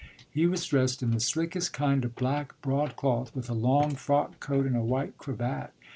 He was dressed in the slickest kind of black broadcloth, with a long frock coat, and a white cravat.